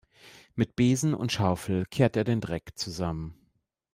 Mit Besen und Schaufel kehrt er den Dreck zusammen.